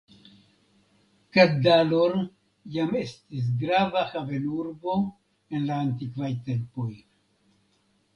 Kaddalor jam estis grava havenurbo en la antikvaj tempoj.